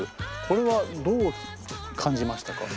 これはどう感じましたか？